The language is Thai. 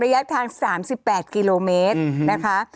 ระยะทาง๓๘กิโลเมตรนะคะ